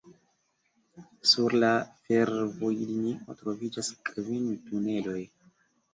Sur la fervojlinio troviĝas kvin tuneloj.